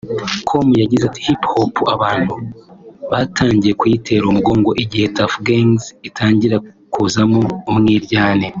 com yagize ati “Hip Hop abantu batangiye kuyitera umugongo igihe Tuff Gangz itangira kuzamo umwiryane